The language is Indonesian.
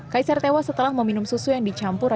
kaisar tewas setelah meminum susu yang dicampur